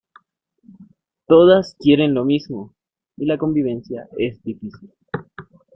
Todas quieren lo mismo, y la convivencia es difícil.